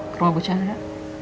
ke rumah bucahnya